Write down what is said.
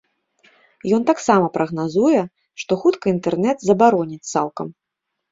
Ён таксама прагназуе, што хутка інтэрнэт забароняць цалкам.